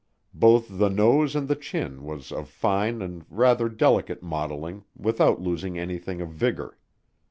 Both the nose and the chin was of fine and rather delicate modeling without losing anything of vigor.